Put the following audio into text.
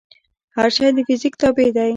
هر شی د فزیک تابع دی.